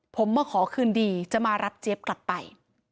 ผมเมื่อขอคืนดีจะมารับเจฟกลับไป